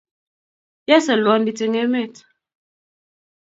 ya solwondit eng emet